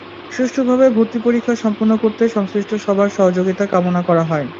সুষ্ঠুভাবে ভর্তি পরীক্ষা সম্পন্ন করতে সংশ্লিষ্ট সবার সহযোগিতা কামনা করা হয়।